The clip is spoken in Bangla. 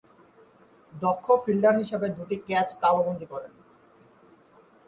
দক্ষ ফিল্ডার হিসেবে দুইটি ক্যাচ তালুবন্দী করেন।